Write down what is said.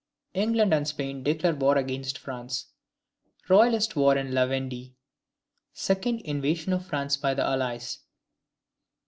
England and Spain declare war against France. Royalist war in La Vendee. Second invasion of France by the Allies.